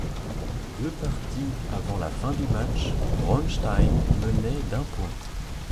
Deux parties avant la fin du match, Bronstein menait d'un point.